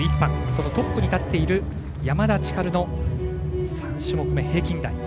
そのトップに立っている山田千遥の３種目め、平均台。